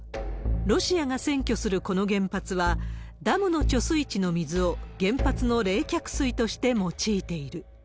ロシアが占拠するこの原発は、ダムの貯水池の水を原発の冷却水として用いている。